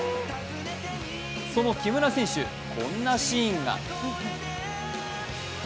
その木村選手、こんなシーンが。